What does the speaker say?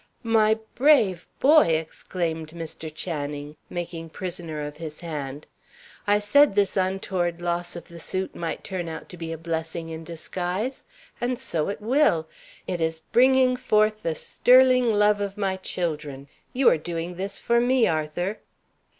"My brave boy!" exclaimed Mr. Channing, making prisoner of his hand. "I said this untoward loss of the suit might turn out to be a blessing in disguise. And so it will; it is bringing forth the sterling love of my children. You are doing this for me, Arthur."